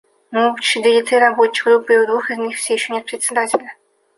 Мы учредили три рабочих группы, и в двух из них все еще нет Председателя.